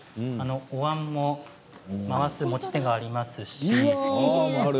おわんも回す持ち手があります。